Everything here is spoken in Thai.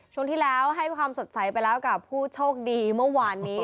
ช่วงที่แล้วให้ความสดใสไปแล้วกับผู้โชคดีเมื่อวานนี้